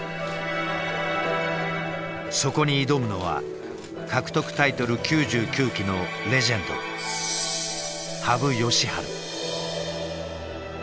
そこに挑むのは獲得タイトル９９期のレジェンド羽生善治。